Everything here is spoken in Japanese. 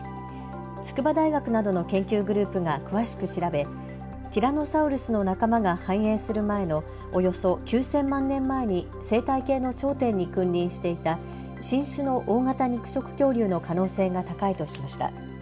筑波大学などの研究グループが詳しく調べティラノサウルスの仲間が繁栄する前のおよそ９０００万年前に生態系の頂点に君臨していた新種の大型肉食恐竜の可能性が高いとしました。